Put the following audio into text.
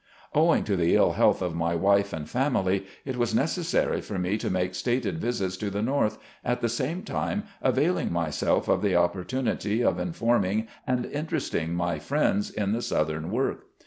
Owing to the ill health of my wife and family, it was necessary for me to make stated visits to the North, at the same time availing myself of the opportunity of informing and interesting my friends. in the southern work.